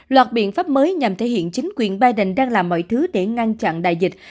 loạt biện pháp mới nhằm thể hiện chính quyền biden đang làm mọi thứ để ngăn chặn đại dịch